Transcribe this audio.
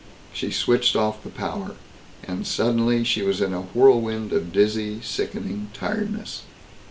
She switched off the power and suddenly she was in a whirlwind of dizzy sickening tiredness.